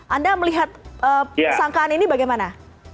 anda melihat sangkaan ini bagaimana